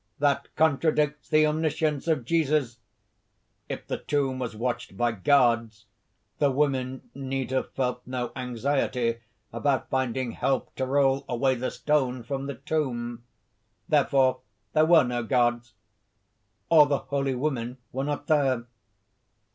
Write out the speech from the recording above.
That contradicts the omniscience of Jesus! If the tomb was watched by guards, the women need have felt no anxiety about finding help to roll away the stone from the tomb. Therefore there were no guards, or the holy women were not there.